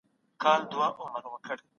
کيسه په دقت سره بيان شوه.